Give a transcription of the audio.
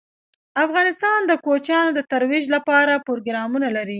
افغانستان د کوچیان د ترویج لپاره پروګرامونه لري.